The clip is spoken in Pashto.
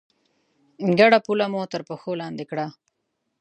ګډه پوله مو تر پښو لاندې کړه.